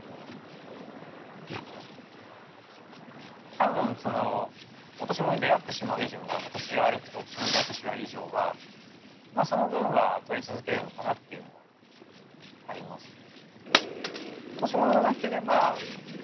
多分そのオトシモノに出会ってしまう以上は私が歩くとオトシモノに出会ってしまう以上はまあその分は撮り続けるのかなっていうのはありますね。